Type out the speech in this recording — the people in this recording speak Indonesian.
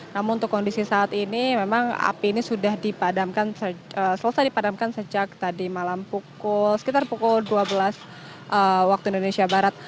namun untuk kondisi saat ini memang api ini sudah dipadamkan selesai dipadamkan sejak tadi malam sekitar pukul dua belas waktu indonesia barat